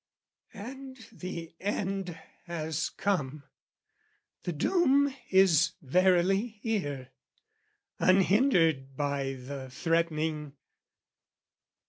And the end has come, the doom is verily here, Unhindered by the threatening.